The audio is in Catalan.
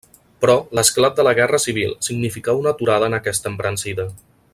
Però, l'esclat de la Guerra Civil significà una aturada en aquesta embranzida.